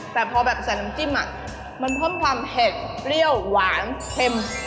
แต่พอแบบใส่น้ำจิ้มมันเพิ่มความเผ็ดเปรี้ยวหวานเค็ม